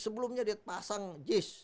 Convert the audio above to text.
sebelumnya dia pasang jis